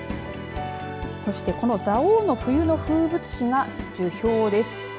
そしてこの蔵王の冬の風物詩が樹氷です。